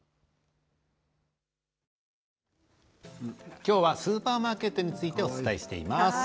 きょうはスーパーマーケットについてお伝えしています。